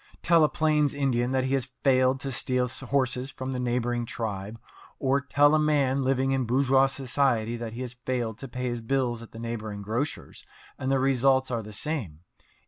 Tell a plains Indian that he has failed to steal horses from the neighbouring tribe, or tell a man living in bourgeois society that he has failed to pay his bills at the neighbouring grocer's, and the results are the same.